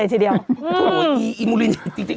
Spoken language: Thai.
โอ้โหจริงโอ้โหไอ้มูลิเนคจริง